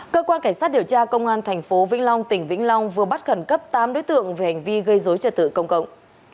cơ quan cảnh sát điều tra công an tp vĩnh long tỉnh vĩnh long vừa bắt khẩn cấp tám đối tượng về hành vi gây dối trật tự công cộng